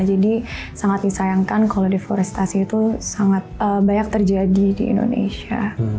jadi sangat disayangkan kalau deforestasi itu sangat banyak terjadi di indonesia